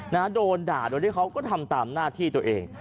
นะฮะโดนด่าโดยที่เขาก็ทำตามหน้าที่ตัวเอง